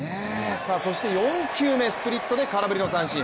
そして４球目、スプリットで空振りの三振。